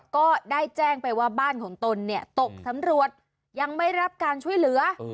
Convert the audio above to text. ก็ได้แจ้งไปว่าบ้านของตนเนี่ยตกสำรวจยังไม่รับการช่วยเหลือ